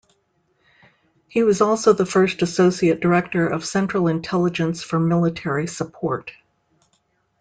He was also the first Associate Director of Central Intelligence for Military Support.